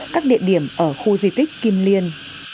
các địa điểm ở khu di tích kim liên